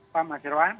pak mas jendrawan